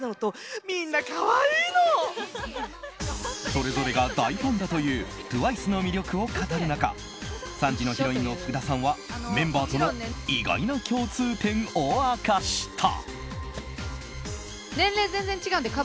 それぞれが大ファンだというＴＷＩＣＥの魅力を語る中３時のヒロインの福田さんはメンバーとの意外な共通点を明かした。